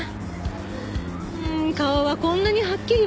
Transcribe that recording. うーん顔はこんなにはっきりわかるのに。